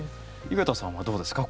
井桁さんはどうですか？